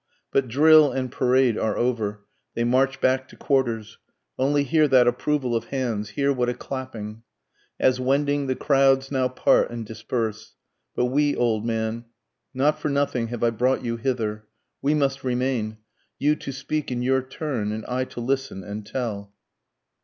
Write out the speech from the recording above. But drill and parade are over, they march back to quarters, Only hear that approval of hands! hear what a clapping! As wending the crowds now part and disperse but we old man, Not for nothing have I brought you hither we must remain, You to speak in your turn, and I to listen and tell.